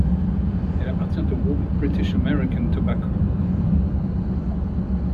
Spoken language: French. Elle appartient au groupe British American Tobacco.